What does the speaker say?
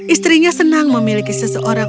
istrinya senang memiliki seseorang